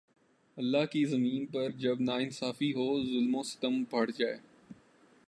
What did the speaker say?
اللہ کی زمین پر جب ناانصافی ہو ، ظلم و ستم بڑھ جائے